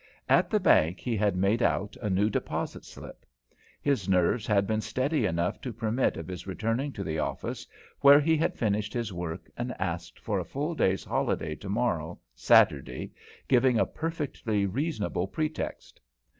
At the bank he had made out a new deposit slip. His nerves had been steady enough to permit of his returning to the office, where he had finished his work and asked for a full day's holiday tomorrow, Saturday, giving a perfectly reasonable pretext.